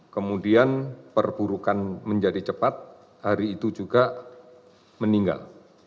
kemudian perburukan menjadi cepat hari itu juga meninggal